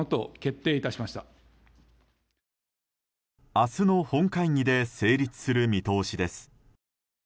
明日の本会議で成立する見通しです。